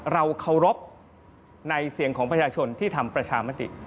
เราเคารพในเสียงของประชาชนที่ทำประชามติ